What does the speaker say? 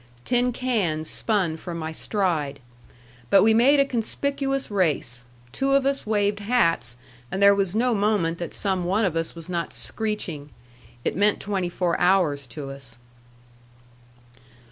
Tin cans spun from my stride. But we made a conspicuous race. Two of us waved hats, and there was no moment that some one of us was not screeching. It meant twenty four hours to us.